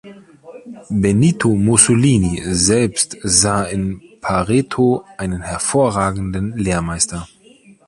Benito Mussolini selbst sah in Pareto einen hervorragenden Lehrmeister.